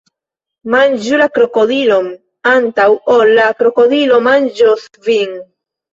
Manĝu la krokodilon, antaŭ ol la krokodilo manĝos vin!